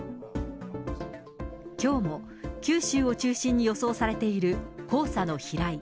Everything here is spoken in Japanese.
きょうも九州を中心に予想されている黄砂の飛来。